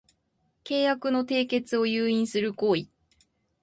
契約の締結を誘引する行為